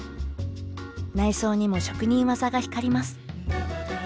内装にも職人技が光ります。